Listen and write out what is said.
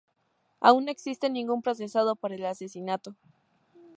Aún no existe ningún procesado por el asesinato.